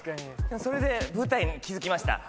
それで「舞台」に気付きました。